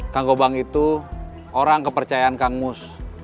kang gobang itu orang kepercayaan kang mus